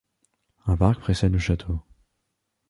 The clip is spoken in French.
Un parc précède le château.